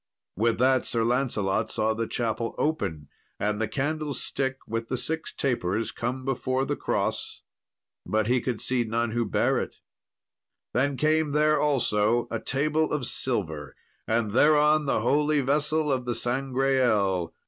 With that Sir Lancelot saw the chapel open, and the candlestick with the six tapers come before the cross, but he could see none who bare it. Then came there also a table of silver, and thereon the holy vessel of the Sangreal.